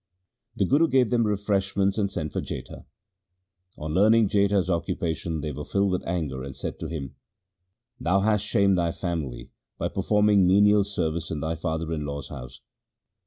The Guru gave them refreshments and sent for Jetha. On learning Jetha's occupation they were filled with anger and said to him, ' Thou LIFE OF GURU AMAR DAS 145 hast shamed thy family by performing menial service in thy father in law's house.